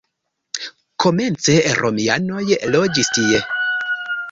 Komence romianoj loĝis tie.